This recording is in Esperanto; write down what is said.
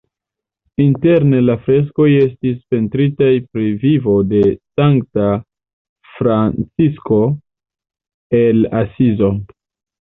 Interne la freskoj estis pentritaj pri vivo de Sankta Francisko el Asizo.